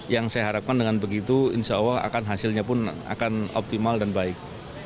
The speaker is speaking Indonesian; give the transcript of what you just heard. yang saya harapkan dengan begitu insya allah akan hasilnya pun akan optimal dan baik